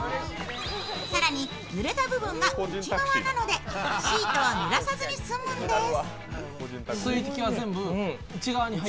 更にぬれた部分が内側なのでシートをぬらさずに済むんです。